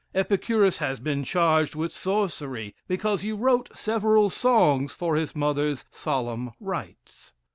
Epicurus has been charged with sorcery, because he wrote several songs for his mother's solemn rites.